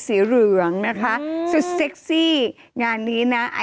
สีรึงนะคะ